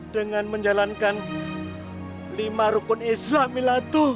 dengan menjalankan lima rukun islam milatuh